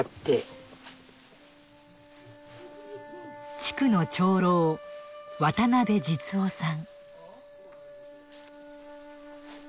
地区の長老渡邉實夫さん。